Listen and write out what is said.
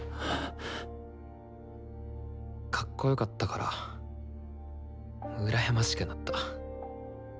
かっこよかったから羨ましくなった。